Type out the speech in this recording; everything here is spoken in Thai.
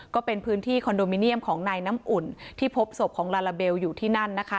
ก็เป็นพื้นที่คอนโดมิเนียมของนายน้ำอุ่นที่พบศพของลาลาเบลอยู่ที่นั่นนะคะ